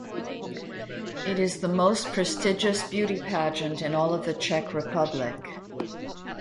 It is the most prestigious beauty pageant in all of the Czech Republic.